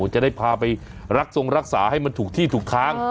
จะได้พาไปรักทรงรักษาให้มันถูกที่ถูกทาง